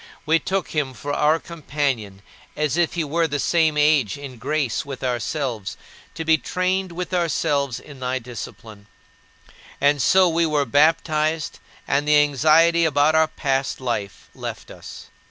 We took him for our companion, as if he were the same age in grace with ourselves, to be trained with ourselves in thy discipline. And so we were baptized and the anxiety about our past life left us.